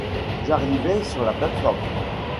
J’arrivai sur la plate-forme.